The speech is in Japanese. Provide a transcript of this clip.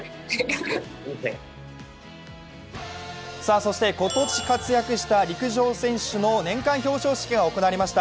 そして今年活躍した陸上選手の年間表彰式が行われました。